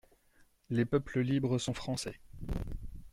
Les peuples libres sont Français!